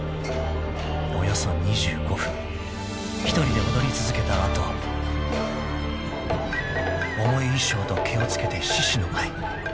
［およそ２５分１人で踊り続けた後重い衣装と毛を着けて獅子の舞］